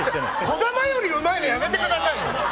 児玉よりうまいのやめてくださいよ！